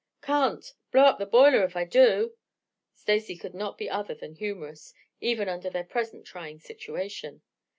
"Can't. Blow up the boiler if I do," Stacy could not be other than humorous, even under their present trying situation.